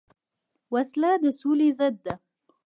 وسله د سولې ضد ده